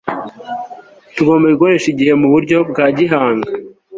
tugomba gukoresha igihe mu buryo bwa gihanga